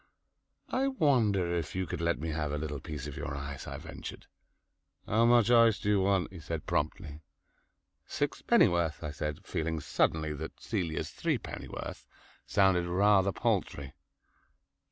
"I wonder if you could let me have a little piece of your ice," I ventured. "How much ice do you want?" he said promptly. "Sixpennyworth," I said, feeling suddenly that Celia's threepennyworth sounded rather paltry.